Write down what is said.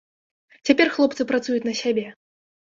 Цяпер хлопцы працуюць на сябе.